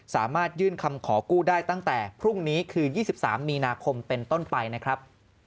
สามารถยื่นคำขอกู้ได้ตั้งแต่พรุ่งนี้คือ๒๓มีนาคมเป็นต้นไปนะครับ